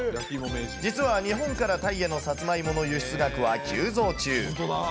実は日本からタイへのさつまいもの輸出額は急増中。